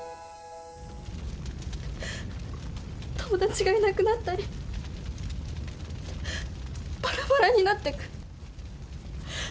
友達がいなくなったりばらばらになってく。